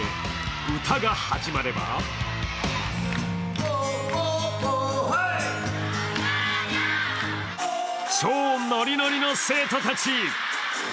歌が始まれば超ノリノリの生徒たち。